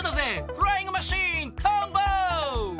フライングマシンとんぼ！